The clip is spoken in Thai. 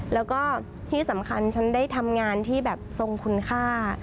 แล้วก็ที่สำคัญฉันได้ทำงานที่แบบทรงคุณค่า